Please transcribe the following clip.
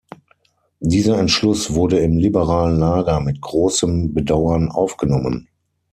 Dieser Entschluss wurde im liberalen Lager mit großem Bedauern aufgenommen.